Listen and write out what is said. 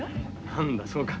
何だそうか。